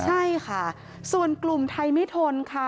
ใช่ค่ะส่วนกลุ่มไทยไม่ทนค่ะ